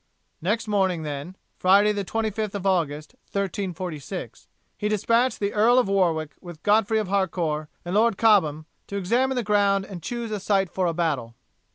Next morning, then Friday the 25th of August, 1346 he despatched the Earl of Warwick with Godfrey of Harcourt and Lord Cobham, to examine the ground and choose a site for a battle.